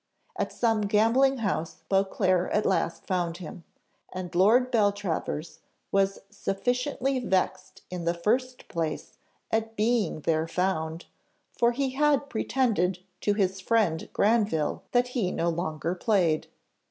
At some gambling house Beauclerc at last found him, and Lord Beltravers was sufficiently vexed in the first place at being there found, for he had pretended to his friend Granville that he no longer played.